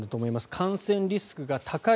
感染リスクが高い